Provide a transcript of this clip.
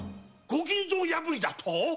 御金蔵破りだと！？